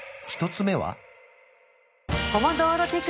１つ目は？